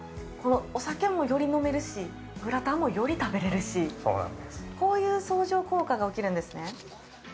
お酒も、より飲めるし、グラタンも、より食べられるし、こういう相乗効果が起きるんですね。